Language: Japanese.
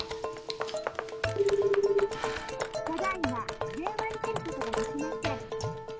「ただいま電話に出ることができません。